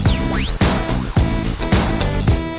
สัปดาห์หน้าเราจะพาไปค้นหาเรื่องราวของเมนูเส้นอนาชาติกันที่ตลาดนักรถไฟรัชดา